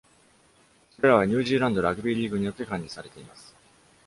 それらは、ニュージーランドラグビーリーグによって管理されています。